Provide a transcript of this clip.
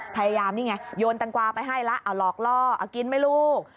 พยายามนี่ไงโยนตังกวาไปให้ละหลอกล่อกินไหมลูก